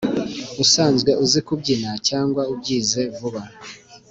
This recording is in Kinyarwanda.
usanzwe uzi kubyina cyangwa ubyize vuba